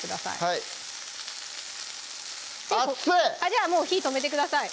じゃあもう火止めてください